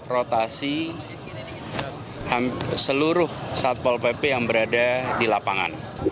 rotasi seluruh satpol pp yang berada di lapangan